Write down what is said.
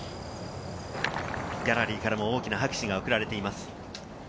ギャラリーからも多くの拍手が送られています。